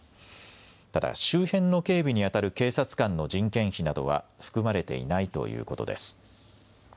ただ、周辺の警備に当たる警察官の人件費などは含まれていないということです。